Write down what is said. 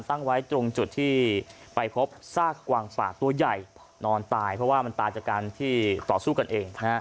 ตั้งไว้ตรงจุดที่ไปพบซากกวางป่าตัวใหญ่นอนตายเพราะว่ามันตายจากการที่ต่อสู้กันเอง